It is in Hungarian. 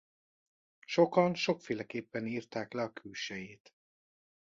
Sokan sokféleképpen írták le a külsejét.